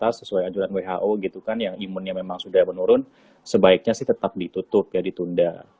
sesuai anjuran who gitu kan yang imunnya memang sudah menurun sebaiknya sih tetap ditutup ya ditunda